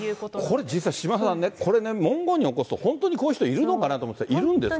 これ、実は島田さんね、これね、文言におこすと本当にこういう人いるのかなと思うんですけど、いるんですか？